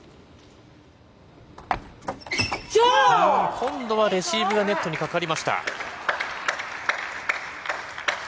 今度はレシーブがネットにかかりました。